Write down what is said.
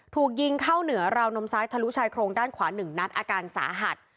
ถูกยิงเข้าเหนือราวนมซ้ายทะลุชายโครงด้านขวา๑นัดอาการสาหัส